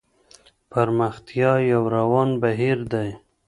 پرمختيا يو روان بهير دی.